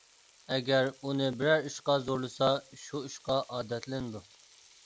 ئەگەر ئۇنى بىرەر ئىشقا زورلىسا، شۇ ئىشقا ئادەتلىنىدۇ.